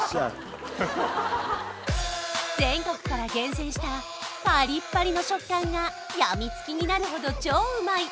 全国から厳選したパリッパリの食感がやみつきになるほど超うまい